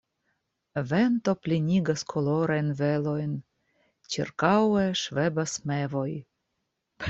Vento plenigas kolorajn velojn, ĉirkaŭe ŝvebas mevoj.